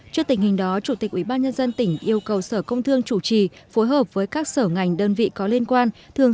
trước tình hình đó chủ tịch ubnd tỉnh yêu cầu sở công thương chủ trì phối hợp với các sở ngành đơn vị có liên quan